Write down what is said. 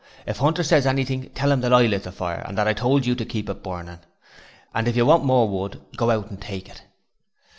If Hunter says anything, tell him that I lit the fire, and that I told you to keep it burning. If you want more wood, go out and take it.'